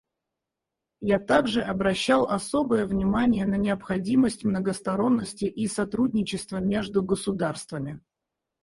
Я также обращал особое внимание на необходимость многосторонности и сотрудничества между государствами.